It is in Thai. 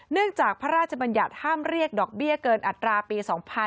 จากพระราชบัญญัติห้ามเรียกดอกเบี้ยเกินอัตราปี๒๕๕๙